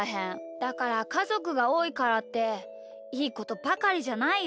だからかぞくがおおいからっていいことばかりじゃないよ。